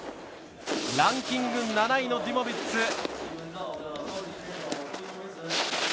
ランキング７位のデュモビッツ。